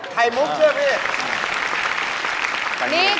ถูกต้อง